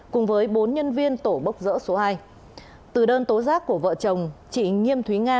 cùng với bốn nhân viên tổ bốc dỡ số hai từ đơn tố giác của vợ chồng chị nghiêm thúy nga